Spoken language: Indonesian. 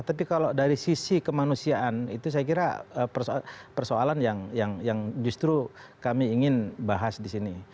tapi kalau dari sisi kemanusiaan itu saya kira persoalan yang justru kami ingin bahas di sini